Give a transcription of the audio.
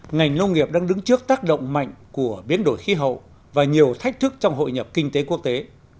ngành nông nghiệp đang đứng trước tác động mạnh của biến đổi khí hậu và nhiều thách thức trong hội nhập kinh tế quốc tế